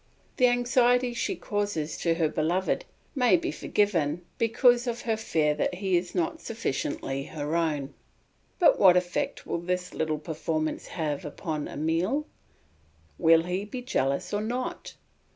The anxiety she causes to her beloved may be forgiven because of her fear that he is not sufficiently her own. But what effect will this little performance have upon Emile? Will he be jealous or not?